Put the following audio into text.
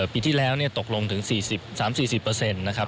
ปีที่แล้วตกลงถึง๓๔๐นะครับ